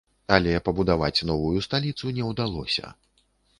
Але пабудаваць новую сталіцу не ўдалося.